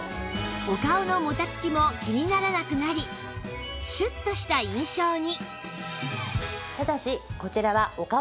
お顔のもたつきも気にならなくなりシュッとした印象に